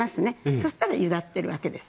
そしたらゆだっているわけです。